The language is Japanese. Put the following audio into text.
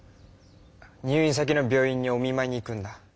入院先の病院にお見まいに行くんだ。